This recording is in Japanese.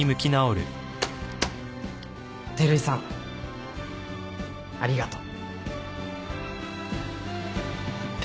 照井さんありがとう。